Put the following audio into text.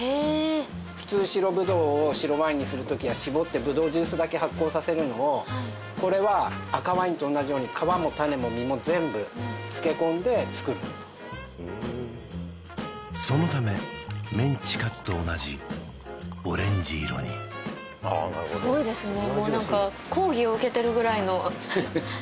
普通白ぶどうを白ワインにする時はしぼってぶどうジュースだけ発酵させるのをこれは赤ワインと同じように皮も種も実も全部つけこんで造るそのためメンチカツと同じオレンジ色にすごいですね